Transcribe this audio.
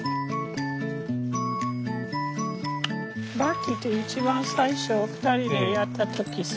バッキーと一番最初２人でやった時さ。